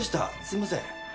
すいません。